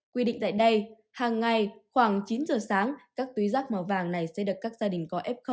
quy định tại đây hàng ngày khoảng chín giờ sáng các túi rác màu vàng này sẽ được các gia đình có f